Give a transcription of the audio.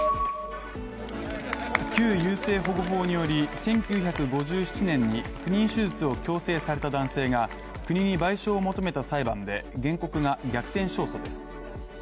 旧優生保護法により１９５７年に不妊手術を強制された男性が国に賠償を求めた裁判で原告が逆転勝訴です。